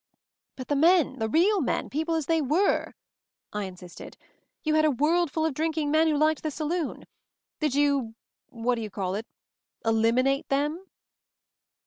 "But the men — the real men, people as they were," I insisted. "You had a world full of drinking men who liked the saloon; did you — what do you call it? — eliminate them?"